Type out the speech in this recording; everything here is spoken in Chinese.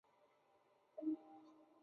他也曾经是一位棒球选手。